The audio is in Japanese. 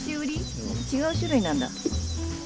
違う種類なんだ。